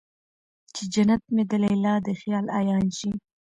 چې جنت مې د ليلا د خيال عيان شي